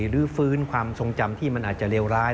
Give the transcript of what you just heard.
หรือฟื้นความทรงจำที่มันอาจจะเลวร้าย